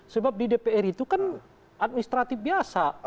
sebab di dpr itu kan administratif biasa